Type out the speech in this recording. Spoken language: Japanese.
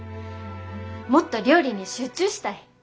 もっと料理に集中したい。